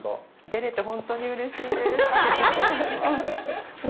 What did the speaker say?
出られて、本当にうれしいです。